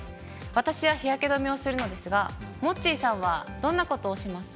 私は日焼け止めをするのですが、モッチーさんは、どんなことをしますか？